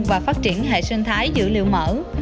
và phát triển hệ sinh thái dữ liệu mở